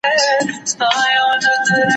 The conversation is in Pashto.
او په کلي کي مېلمه یې پر خپل کور کړي